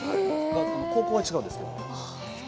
高校は違うんですけど。